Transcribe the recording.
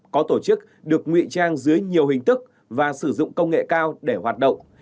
có tổ chức được nguy trang dưới nhiều hình thức và sử dụng công nghệ cao để hoạt động